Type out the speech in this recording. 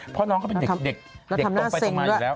เพราะน้องเขาเป็นเด็กตรงไปตรงมาอยู่แล้ว